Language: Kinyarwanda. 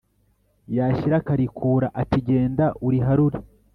yashyira akarikura ati genda uriharure